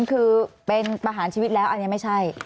คือเป็นประหารชีวิตแล้วอันนี้ไม่ใช่